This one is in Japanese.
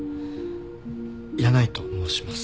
箭内と申します。